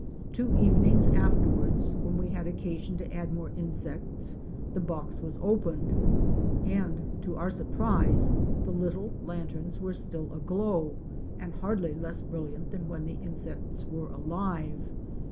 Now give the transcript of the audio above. Two evenings afterward when we had occasion to add more insects, the box was opened and to our surprise the little lanterns were still aglow and hardly less brilliant than when the insects were alive.